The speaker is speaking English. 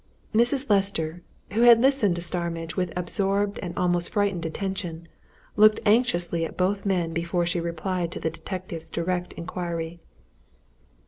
Mrs. Lester, who had listened to Starmidge with absorbed and almost frightened attention, looked anxiously at both men before she replied to the detective's direct inquiry.